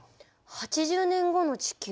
８０年後の地球？